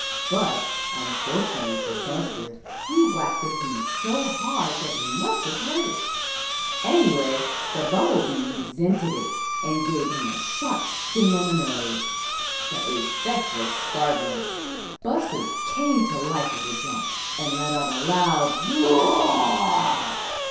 But, unfortunately for Buster, he whacked the bee so hard that he must have hurt it. Anyway, the bumblebee resented it, and gave him a sharp sting on the nose. The effect was startling. Buster came to life with a jump, and let out a loud: "B r r r!